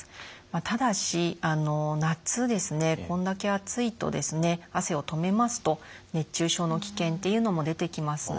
ただし夏こんだけ暑いと汗を止めますと熱中症の危険というのも出てきます。